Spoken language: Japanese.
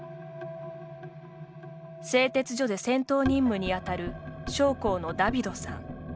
製鉄所で戦闘任務に当たる将校のダヴィドさん。